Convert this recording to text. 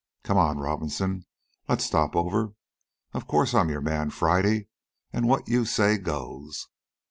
"Come on, Robinson. Let's stop over. Of course, I'm your Man Friday, an' what you say goes."